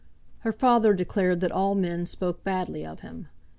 Her father declared that all men spoke badly of him.